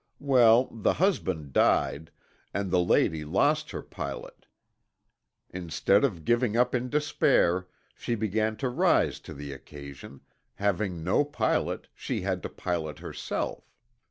Well, the husband died, and the lady lost her pilot. Instead of giving up in despair, she began to rise to the occasion having no pilot, she had to pilot herself.